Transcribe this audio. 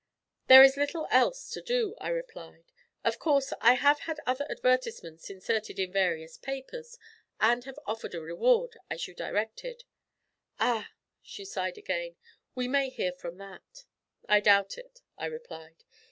'There is little else to do,' I replied. 'Of course I have had other advertisements inserted in various papers, and have offered a reward, as you directed.' 'Ah,' she sighed again, 'we may hear from that.' 'I doubt it,' I replied.